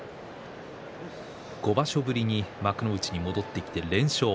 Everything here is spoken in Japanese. ５場所ぶりに幕内に戻ってきて連勝。